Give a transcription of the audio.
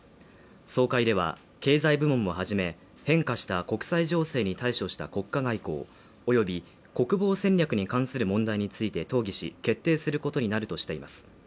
総会では、経済部門も始め、変化した国際情勢に対処した国家外交および国防戦略に関する問題について討議し、決定することになるとしています。